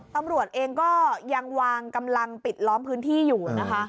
ตำรวจเองก็ยังวางกำลังปิดล้อมพื้นที่อยู่นะคะ